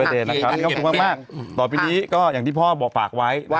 ด้วยครับผมขอบคุณมากต่อปีนี้ก็อย่างที่พ่อปากไว้